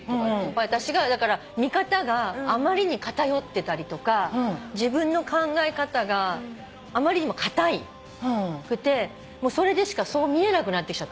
私が見方があまりに偏ってたりとか自分の考え方があまりにも固くてそれでしかそう見えなくなってきちゃったの。